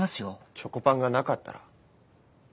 チョコパンがなかったら？